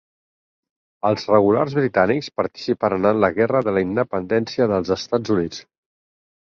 Els Regulars Britànics participaren en la Guerra de la Independència dels Estats Units.